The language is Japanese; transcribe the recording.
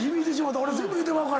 俺全部言うてまうから。